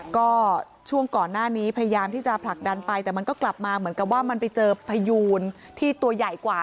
ก็ช่วงก่อนหน้านี้พยายามที่จะผลักดันไปแต่มันก็กลับมาเหมือนกับว่ามันไปเจอพยูนที่ตัวใหญ่กว่า